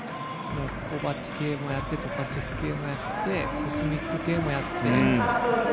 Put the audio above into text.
コバチ系もやってトカチェフ系もやってコスミック系もやって。